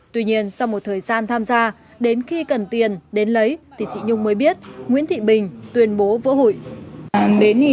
tuy nhiên sau một thời gian tham gia đến khi cần tiền đến lấy thì chị nhung mới biết nguyễn thị bình tuyên bố vỡ hủy